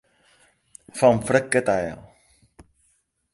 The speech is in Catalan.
Fa un fred que talla.